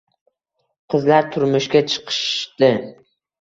Qizlar turmushga chiqishdi